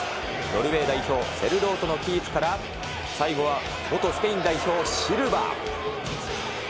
ノルウェー代表、セルロートのキープから、最後は元スペイン代表、シルバ。